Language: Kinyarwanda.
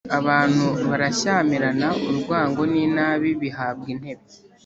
abantu barashyamirana, urwango n’inabi bihabwa intebe.